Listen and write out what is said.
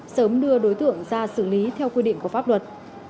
sớm đưa đối tượng ra xử lý theo quy định của pháp luật